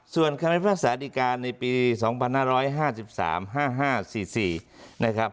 ส่วนคำพิพากษาดีการในปี๒๕๕๓๕๕๔๔นะครับ